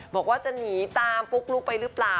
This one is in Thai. บอกว่าจะหนีตามปุ๊กลุ๊กไปหรือเปล่า